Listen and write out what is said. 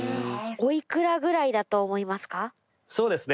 おいくらぐらいだと思いますか？